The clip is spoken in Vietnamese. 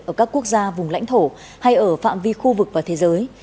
ở các quốc gia vùng lãnh thổ hay ở phạm vi khu vực và thế giới